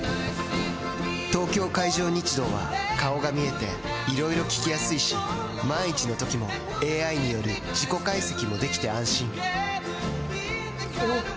東京海上日動は顔が見えていろいろ聞きやすいし万一のときもＡＩによる事故解析もできて安心おぉ！